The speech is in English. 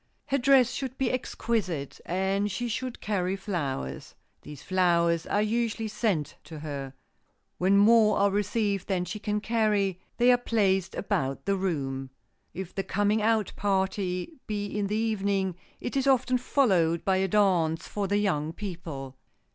Her dress should be exquisite, and she should carry flowers. These flowers are usually sent to her. When more are received than she can carry, they are placed about the room. If the coming out party be in the evening, it is often followed by a dance for the young people.